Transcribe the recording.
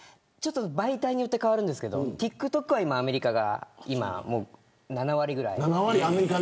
媒体によって変わるんですがＴｉｋＴｏｋはアメリカが７割ぐらい。